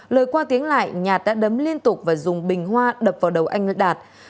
lời qua tiếng lại nhạt đã đấm liên tục và dùng bình hoa đập vào đầu anh đạt